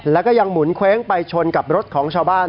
แล้วก็ยังหมุนเว้งไปชนกับรถของชาวบ้าน